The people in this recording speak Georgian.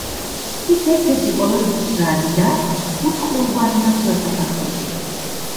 ის ერთ-ერთი ყველაზე მშრალი და უწყლო უბანია მთელ საქართველოში.